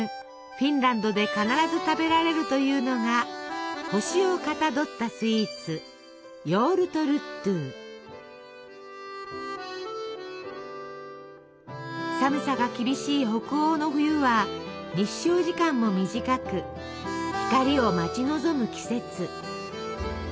フィンランドで必ず食べられるというのが星をかたどったスイーツ寒さが厳しい北欧の冬は日照時間も短く光を待ち望む季節。